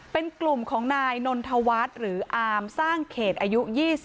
เป็นกลุ่มของนายนนทวัฒน์หรืออามสร้างเขตอายุ๒๐